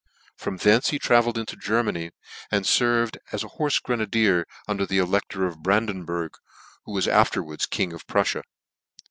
From thence he travelled into Germany, and ferved as a horfe grenadier under the ele6tor of Brandenburgh, who was afterwards king of Prufila.